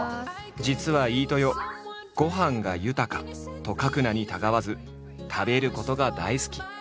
実は飯豊と書く名にたがわず食べることが大好き。